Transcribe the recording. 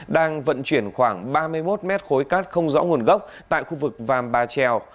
đang vận chuyển khoảng ba mươi một mét khối cát không rõ nguồn gốc tại khu vực vàm bà trèo